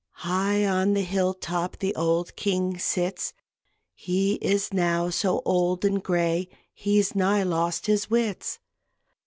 High on the hill top The old King sits; He is now so old and gray He's nigh lost his wits.